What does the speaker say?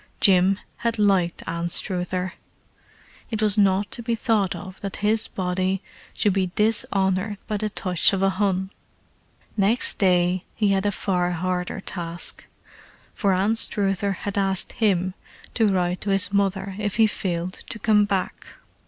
Jim had liked Anstruther: it was not to be thought of that his body should be dishonoured by the touch of a Hun. Next day he had a far harder task, for Anstruther had asked him to write to his mother if he failed to come back.